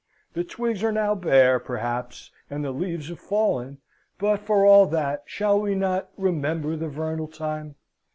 The twigs are now bare, perhaps, and the leaves have fallen; but, for all that, shall we not, remember the vernal time?